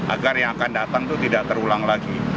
agar yang akan datang itu tidak terulang lagi